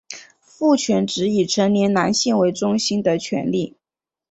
父权指以成年男性为中心的权力。